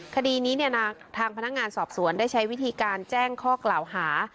คดีนี้ทางพนักงานสอบสวนได้ใช้วิธีการแจ้งข้อกล่าวหา